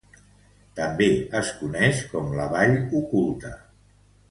També es coneix com "la vall oculta".